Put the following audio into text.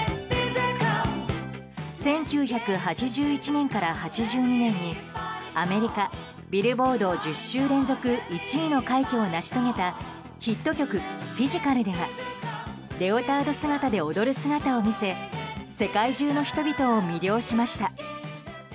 １９８１年から８２年にアメリカビルボード１０週連続１位の快挙を成し遂げたヒット曲「フィジカル」ではレオタード姿で踊る姿を見せ世界中の人々を魅了しました。